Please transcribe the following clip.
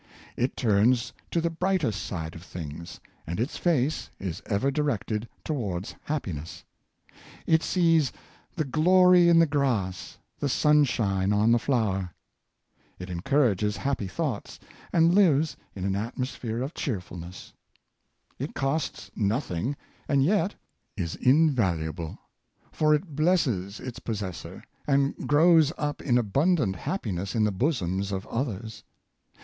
It turns to the brightest side of things, and its face is ever directed towards happiness. It sees " the glory in the grass, the sunshine on the flower." It en courages happy thoughts, and lives in an atmosphere Beneficence and Benevolence, 519 of cheerfulness. It costs nothing, and yet is invaluable ; for it blesses its possessor, and grows up in abundant happiness in the bosoms of others.